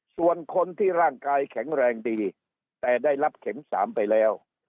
ส่วนคนที่ร่างกายแข็งแรงดีแต่ได้รับเข็ม๓ไปแล้ว